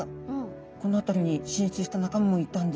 この辺りに進出した仲間もいたんですね。